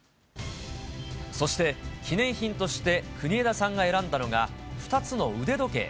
そして記念品として、国枝さんが選んだのが２つの腕時計。